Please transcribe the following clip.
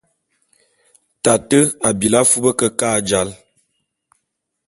Tate a bilí afub kekâ e jāl.